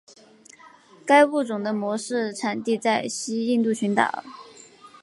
该物种的模式产地在西印度群岛。